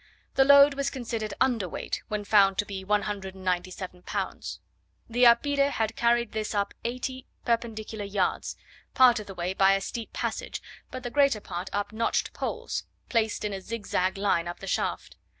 The load was considered under weight when found to be 197 pounds. The apire had carried this up eighty perpendicular yards, part of the way by a steep passage, but the greater part up notched poles, placed in a zigzag line up the shaft.